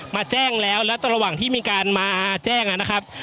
มาแจ้งแล้วแล้วตรงระหว่างที่มีการมาแจ้งนะครับ